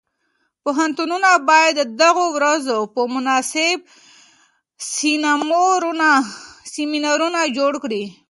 پوهنتونونه باید د دغو ورځو په مناسبت سیمینارونه جوړ کړي.